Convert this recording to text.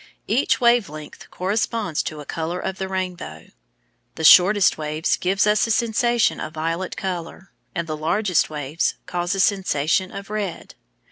Each wave length corresponds to a colour of the rainbow. The shortest waves give us a sensation of violet colour, and the largest waves cause a sensation of red.